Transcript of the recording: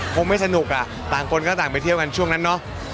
คงไม่สนุกอ่ะต่างคนก็ต่างไปเที่ยวกันช่วงนั้นเนาะ